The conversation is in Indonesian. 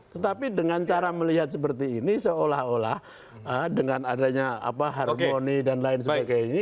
tetapi dengan cara melihat seperti ini seolah olah dengan adanya harmoni dan lain sebagainya